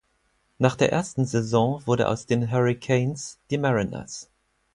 Nach der ersten Saison wurde aus den Hurricanes die Mariners.